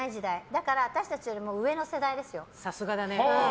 だから私たちより上の世代ですよ。